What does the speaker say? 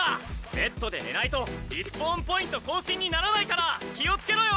ベッドで寝ないとリスポーンポイント更新にならないから気をつけろよ！